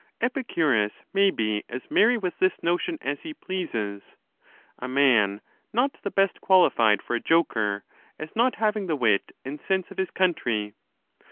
Epicurus may be as merry with this notion as he pleases ; a man not the best qualified for a joker, as not having the wit and sense of his country.'